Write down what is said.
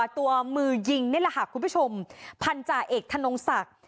ตัวมือยิงในรหัสคุณผู้ชมพันจาเอกทานงศักดิ์